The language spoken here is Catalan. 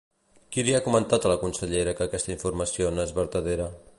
Qui li ha comentat a la consellera que aquesta informació no és vertadera?